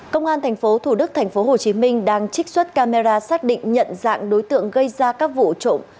công an tp thủ đức tp hcm đang trích xuất camera xác định nhận dạng đối tượng gây ra các vụ trộm